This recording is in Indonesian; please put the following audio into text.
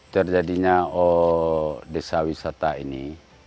terjadinya desa wisata ini